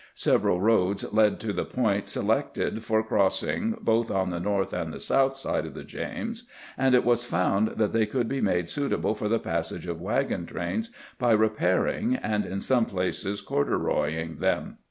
Sev eral roads led to the point selected for crossing both on the north and the south side of the James, and it was found that they could be made suitable for the passage of wagon trains by repairing and in some places cordu roying them.